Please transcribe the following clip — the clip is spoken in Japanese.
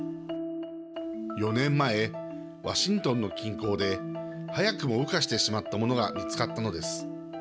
４年前、ワシントンの近郊で早くも羽化してしまったものが見つかったのです。